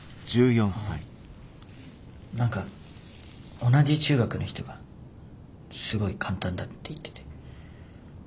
何か同じ中学の人が「すごい簡単だ」って言ってて。